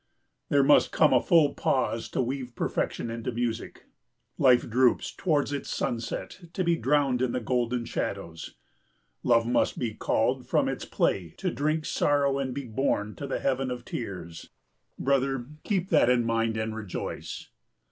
There must come a full pause to weave perfection into music. Life droops toward its sunset to be drowned in the golden shadows. Love must be called from its play to drink sorrow and be borne to the heaven of tears. Brother, keep that in mind and rejoice.